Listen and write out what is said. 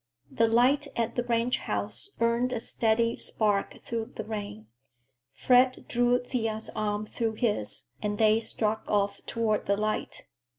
The light at the ranch house burned a steady spark through the rain. Fred drew Thea's arm through his and they struck off toward the light.